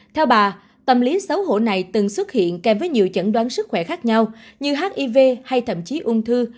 theo bà tâm lý xấu hổ này từng xuất hiện kèm với nhiều chẩn đoán sức khỏe khác nhau như hiv hay thậm chí ung thư